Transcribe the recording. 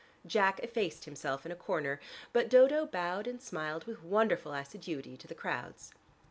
Jack effaced himself in a corner, but Dodo bowed and smiled with wonderful assiduity to the crowds.